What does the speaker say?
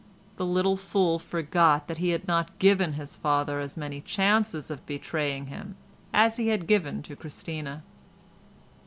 The little fool forgot that he had not given his father as many chances of betraying him as he had given to Christina.